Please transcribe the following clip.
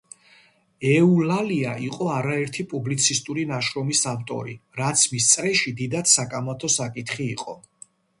ეულალია იყო არაერთი პუბლიცისტური ნაშრომის ავტორი, რაც მის წრეში დიდად საკამათო საკითხი იყო.